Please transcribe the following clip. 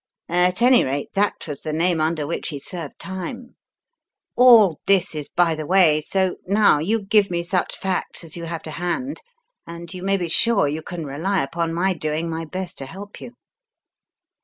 At any rate, that was the name under which he served time. All this is by the way, so now you give me such facts as you have to hand, and you may be sure you can rely upon my doing my best to help you."